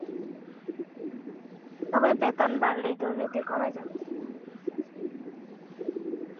তবে বেতন বাড়লেই দুর্নীতি কমে যাবে, সেটা আমি বিশ্বাস করি না।